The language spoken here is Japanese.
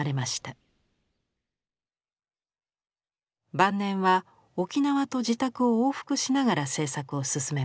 晩年は沖縄と自宅を往復しながら制作を進めました。